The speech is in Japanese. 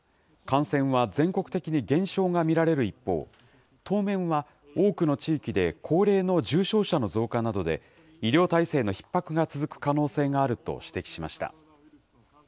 感染は全国的に減少が見られる一方、当面は多くの地域で高齢の重症者の増加などで、医療体制のひっ迫が続く可能性があると指摘しました。